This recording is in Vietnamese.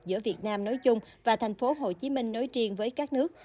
giữa việt nam nói chung và tp hcm nói riêng với các nước